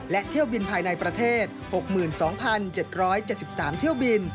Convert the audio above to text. และเที่ยวบินภายในประเทศ๖๒๗๗๓เที่ยวบิน